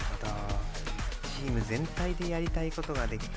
チーム全体でやりたいことができた。